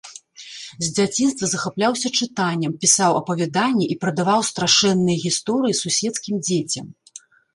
З дзяцінства захапляўся чытаннем, пісаў апавяданні і прадаваў страшэнныя гісторыя суседскім дзецям.